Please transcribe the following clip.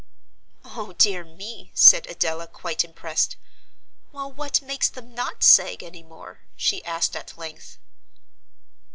'" "O dear me," said Adela, quite impressed; "well, what makes them not sag any more?" she asked at length.